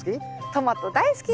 トマト大好き！